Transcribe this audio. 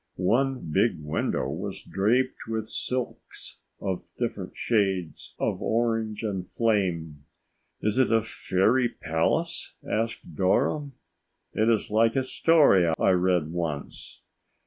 One big window was draped with silks of different shades of orange and flame. "Is it a fairy palace?" asked Dora. "It is like a story I read once."